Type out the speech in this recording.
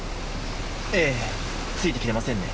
ええついて来てませんね。